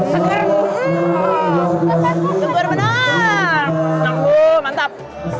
mantap bu mantap